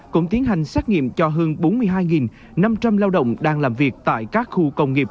cũng tiến hành xét nghiệm cho hơn bốn mươi hai năm trăm linh lao động đang làm việc tại các khu công nghiệp